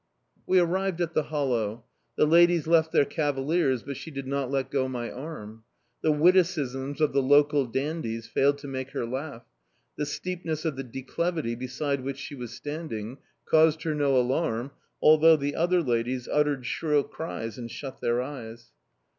We arrived at the hollow; the ladies left their cavaliers, but she did not let go my arm. The witticisms of the local dandies failed to make her laugh; the steepness of the declivity beside which she was standing caused her no alarm, although the other ladies uttered shrill cries and shut their eyes.